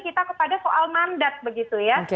kita kepada soal mandat begitu ya